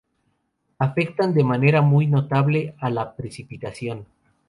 Afectan de manera muy notable a la precipitación.